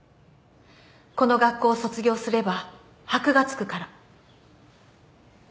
この学校を卒業すれば箔が付くから。